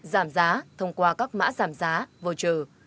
giảm giá thông qua các mã giảm giá voucher